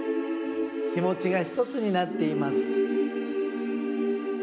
きもちがひとつになっています。